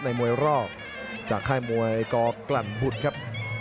มวยรอกจากค่ายมวยกกลั่นบุตรครับ